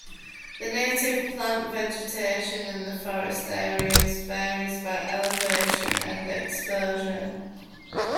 The native plant vegetation in the forest areas varies by elevation and exposure.